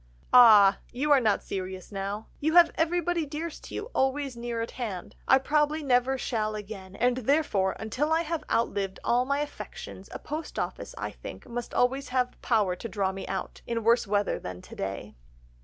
"'Ah! You are not serious now.... You have everybody dearest to you always near at hand. I probably never shall again; and therefore until I have outlived all my affections, a post office, I think, must always have power to draw me out, in worse weather than to day.